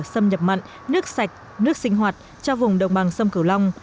xâm nhập mặn nước sạch nước sinh hoạt cho vùng đồng bằng sông cửu long